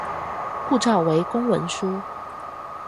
護照為公文書